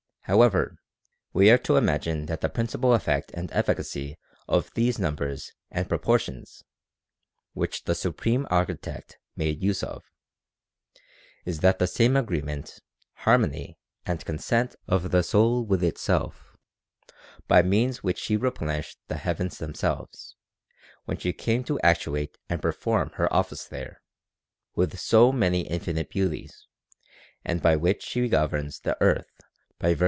However, we are to imagine that the principal effect and efficacy of these numbers and proportions, which the Supreme Architect made use of, is that same agreement, harmony, and consent of the soul with itself, by means of which she replenished the heavens themselves, when she came to actuate and perform her office there, with so * Άρμενος ην ξείνοισιν ανηρ όόε, και φίλος άστο'ις.